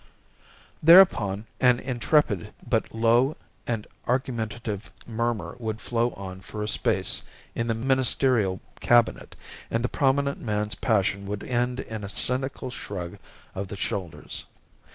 Thereupon an intrepid but low and argumentative murmur would flow on for a space in the ministerial cabinet, and the prominent man's passion would end in a cynical shrug of the shoulders.